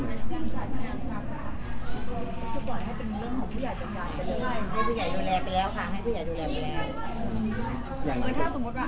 ถ้าสมมติว่าอ่ะถ้าสมมติว่าอยากฝ่ายฝ่ายทางแม่ฝ่ายทางใจ